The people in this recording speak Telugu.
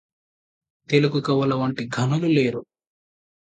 తెనుగు కవులవంటి ఘనులు లేరు